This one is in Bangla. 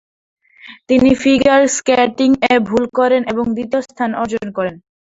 তিনি ফিগার স্কেটিং এ ভুল করেন এবং দ্বিতীয় স্থান অর্জন করেন।